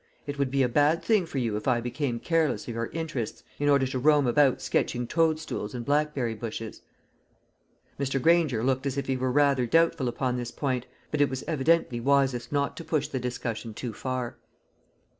It would be a bad thing for you if I became careless of your interests in order to roam about sketching toadstools and blackberry bushes." Mr. Granger looked as if he were rather doubtful upon this point, but it was evidently wisest not to push the discussion too far.